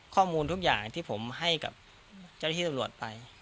ข้อมูลทุกอย่างที่ผมให้กับเจ้าหน้าที่ตำรวจไป